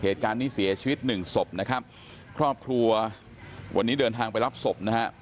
เหตุการณ์นี้เสียชีวิตหนึ่งศพนะครับครอบครัววันนี้เดินทางไปรับศพนะฮะ